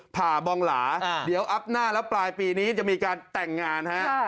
ผ่าบองหลาเดี๋ยวอัพหน้าแล้วปลายปีนี้จะมีการแต่งงานฮะ